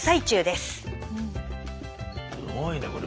すごいねこれ。